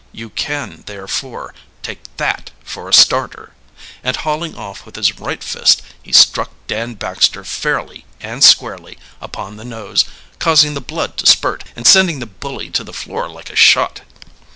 "You can, therefore, take that for a starter!" And hauling off with his right fist, he struck Dan Baxter fairly and squarely upon the nose, causing the blood to spurt and sending the bully to the floor like a shot.